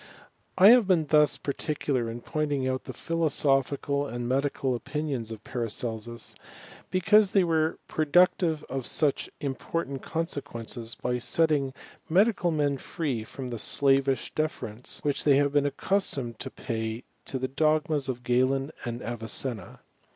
I have been thus particular in pointing out the phi losophical and medical opinions of Paracelsus, because they were productive of such important consequences, by setting medical men free from the slavish deference which they had been accustomed to pay to the dogmas of Galen and Avicenna.